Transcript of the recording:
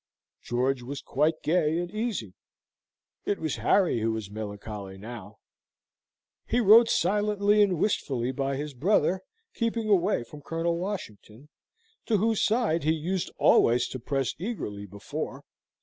George was quite gay and easy: it was Harry who was melancholy now: he rode silently and wistfully by his brother, keeping away from Colonel Washington, to whose side he used always to press eagerly before.